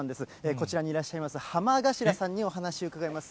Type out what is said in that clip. こちらにいらっしゃいます、浜頭さんにお話伺います。